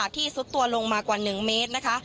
ที่ซุดตัวลงมากว่าหนึ่งเมตรนะคะ